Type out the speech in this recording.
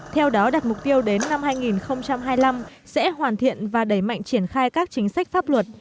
theo đó đặt mục tiêu đến năm hai nghìn hai mươi năm sẽ hoàn thiện và đẩy mạnh triển khai các chính sách pháp luật